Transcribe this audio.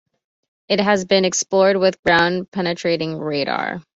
It has been explored with ground-penetrating radar.